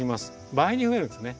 倍に増えるんですね。